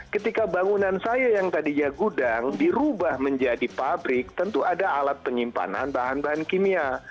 ketika bangunan saya yang tadinya gudang dirubah menjadi pabrik tentu ada alat penyimpanan bahan bahan kimia